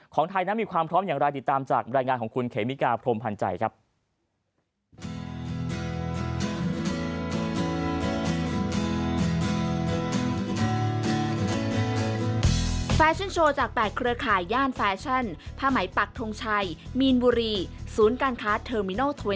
ไทยนั้นมีความพร้อมอย่างไรติดตามจากรายงานของคุณเขมิกาพรมพันธ์ใจครับ